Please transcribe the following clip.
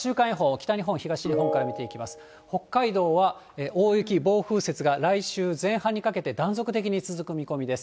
北海道は大雪、暴風雪が来週前半にかけて、断続的に続く見込みです。